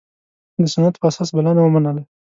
د سنت په اساس بلنه ومنله.